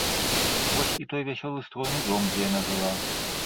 Вось і той вясёлы стройны дом, дзе яна жыла.